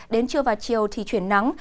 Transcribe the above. đến trưa và chiều thì chuyển nắng